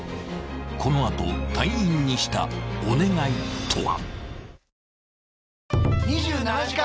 ［この後隊員にしたお願いとは］